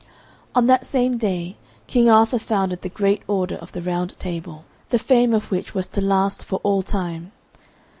On that same day King Arthur founded the great order of the Round Table, the fame of which was to last for all time.